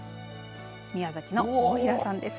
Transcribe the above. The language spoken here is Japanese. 宮崎の大平さんです。